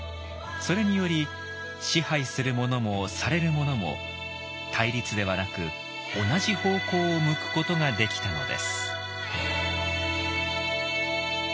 それにより支配する者もされる者も対立ではなく同じ方向を向くことができたのです。